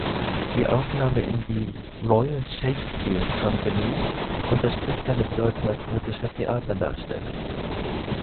Die Aufnahme in die "Royal Shakespeare Company" unterstrich seine Bedeutung als britischer Theaterdarsteller.